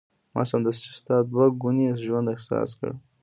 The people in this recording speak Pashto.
ما سمدستي ستا دوه ګونی ژوند احساس کړ.